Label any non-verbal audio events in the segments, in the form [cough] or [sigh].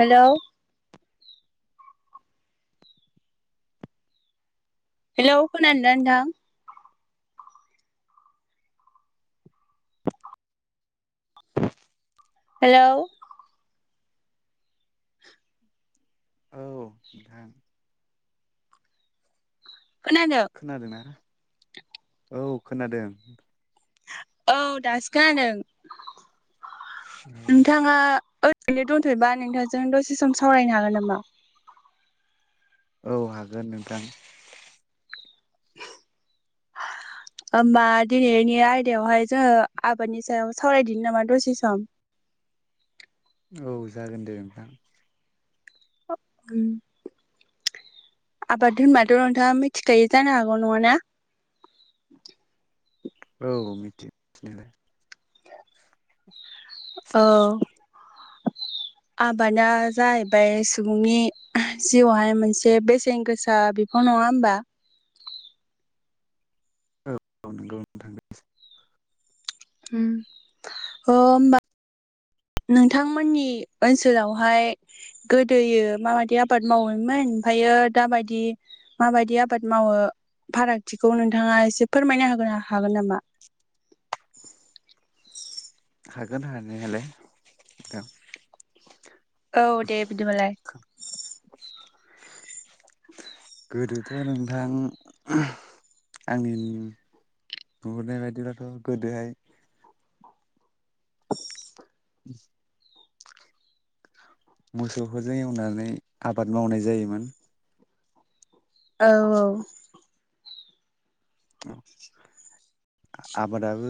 Hello hello खोनादो ना नोंथां? हेलौ औ नोंथां। खोनादों खोनादोंना औ खोनादों। औ दासिखा होनों नोंथाङा ओद रैनो दंथ'योबा नोंथांजों दसे सम सावरायनो हागोन नामा? औ हागोन नोंथां। [unintelligible] होमबा दिनैनि आयदायावहाय जोङो आबादनि सायाव सावरायदिनि नामा दसे सम [inaudible] औ जागोन दे नोंथां। [unintelligible] उम आबाद होनबाथ' नोंथाङा मिथिखायो जानो हागौ नङाना? [unintelligible] औ मिथियो मिथिनायालाय औ आबादा जाहैबाय सुबुंनि जिउआवहाय मोनसे बेसेन गोसा बिफां नङा होमबा? ओ नंगौ नोंथां [unintelligible] होम अ होमबा नोंथांमोननि ओनसोलावहाय गोदोयो माबादि आबाद मावोमोन। ओमफ्राययो दाबायदि माबायदि आबाद मावो फारागथिखौ नोंथाङा एसे फोरमायना होनो हागोन नामा? हागोन हानायालाय‌ औ औ दे बिदिबालाय। गोदोथ' नोंथां आंनि नुहुरनाय बायदिब्लाथ' गोदोहाय [inaudible] उम मोसौफोरजों एवनानै आबाद मावनाय जायोमोन औ औ आबादाबो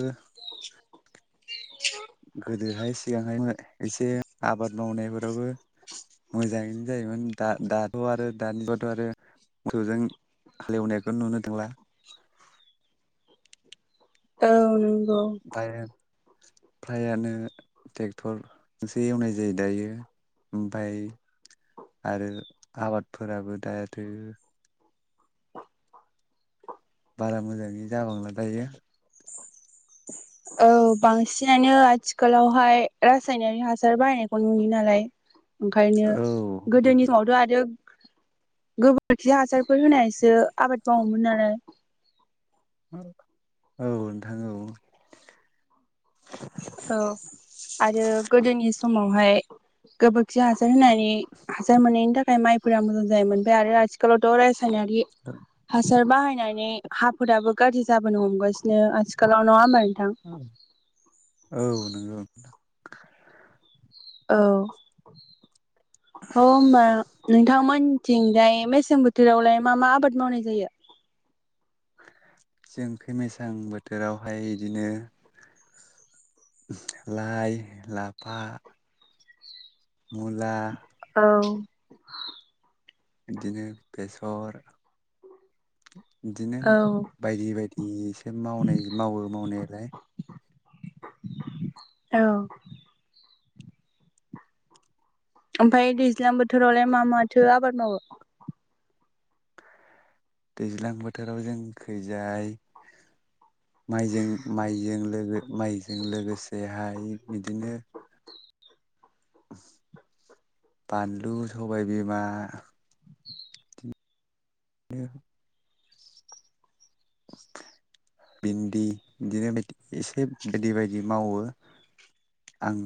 गोदोहाय सिगांहाय मो एसे आबाद मावनायफोरावबो मोजाङैनो जायोमोन दा दाथ' आरो दानिबाथ' आरो मोखौजों हालेवनायखौ नुनो थांला [inaudible] औ नों दायो फ्रायानो ट्रेक्टरजोंसो एवनाय जायो दायो। ओमफाय आरो आबादफोराबो दा आरो [inaudible] बारा मोजाङै जाबांला दायो औ बांसिनानो आथिखालावहाय रासायनारि हासार बाहायनायखौ नुयो नालाय। ओंखायनो औ गोदोनि समावथ' आरो गोबोरखि हासारफोर होनायसो आबाद मावोमोन आरो औ नोंथां औ। औ आरो गोदोनि समावहाय गोबोरखि हा सार होनानै हासार मोननायनि थाखाय माइफोरा मोजां जायोमोन ओमफ्राइ आरो आथिखालावथ' रा रासायनारि हासार बाहाय नानै हाफोराबो गाज्रि जाबोनो हमगासिनो आथिखालाव नङा औ नंगौ नोंथां। औ औ होमबा नोंथां मोनथिं फ्राय मेसें बोथोरावलाय मा मा आबाद मावनाय जायो? जों खैहाय बोथोरावहाय बिदिनो लाइ लाफा मुला [inaudible] बिदिनो बेसर बिदिनो औ बायदि बायदि बेसे मावनाय मावो मावनायालाय। औ ओमफ्राय दैज्लां बोथोरावलाय मा माथो आबाद मावो? दैज्लां बोथोराव जों खैजाय माइजों माइजों माइजों लोगोसेहाय बिदिनो [inaudible] बानलु सबाय बिमा [inaudible] [inaudible] भिन्दि बिदिनो बायदि एसे बायदि बायदि मावो आं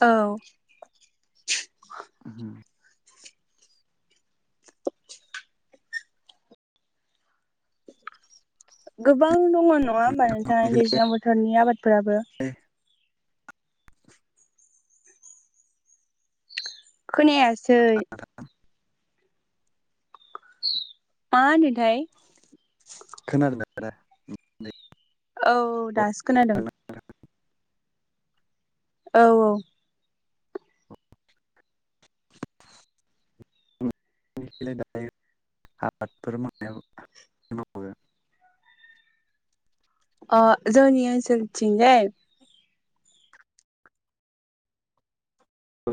औ [inaudible] गोबां दङ नङा होमबा नोंथाङा दैज्लां बोथोरनि आबादफोराबो? खोनायासै? मा होनदोंथाय? खोनादोंना खोनायाखै? औ दासो खोनादों। औ औ [unintelligible] अ जोंनि ओनसोल थिंजाय